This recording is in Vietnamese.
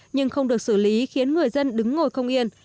nhưng không được xử lý khiến người dân đứng ngồi không yên